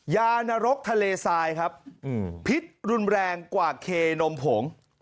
ยานรกทะเลทรายครับพิษรุนแรงกว่าเคนมผง